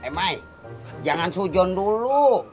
eh mai jangan sujon dulu